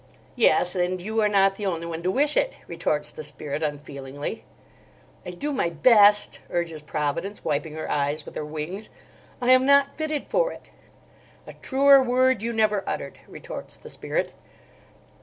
"Yes, and you are not the only one to wish it," retorts the Spirit unfeelingly. "I do my best," urges Providence, wiping her eyes with her wings. "I am not fitted for it." "A truer word you never uttered," retorts the Spirit.